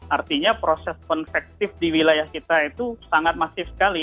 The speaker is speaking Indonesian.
artinya proses konvektif di wilayah kita itu sangat masif sekali